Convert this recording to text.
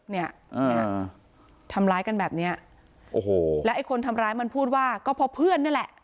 เนี่ยทำร้ายกันแบบเนี้ยโอ้โหแล้วไอ้คนทำร้ายมันพูดว่าก็เพราะเพื่อนนี่แหละ